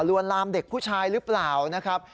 วนลามเด็กผู้ชายหรือเปล่านะครับ